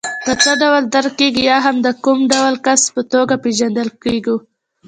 څه ډول درک کېږو یا هم د کوم ډول کس په توګه پېژندل کېږو.